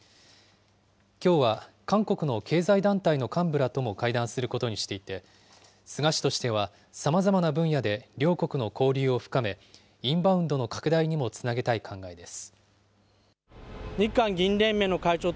きょうは韓国の経済団体の幹部らとも会談することにしていて、菅氏としては、さまざまな分野で両国の交流を深め、インバウンドの拡大にもつなげたい考えです。